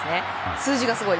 数字がすごい。